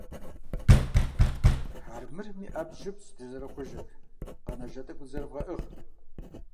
Армырми Ӏэбжьыбщ дызэрыхъужыр, къэнэжа тӀэкӀур дызэрывгъэӏыгъ!